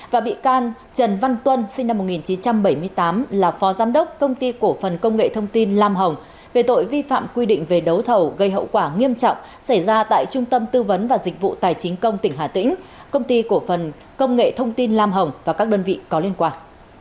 và bị can trần văn tuân sinh năm một nghìn chín trăm bảy mươi tám là phó giám đốc công ty cổ phần công nghệ thông tin lam hồng về tội vi phạm quy định về đấu thầu gây hậu quả nghiêm trọng xảy ra tại trung tâm tư vấn và dịch vụ tài chính công tỉnh hà tĩnh công ty cổ phần công nghệ thông tin lam hồng và các đơn vị có liên quan